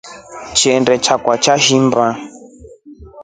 Kitrende chakwa chaimba.